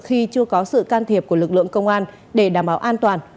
khi chưa có sự can thiệp của lực lượng công an để đảm bảo an toàn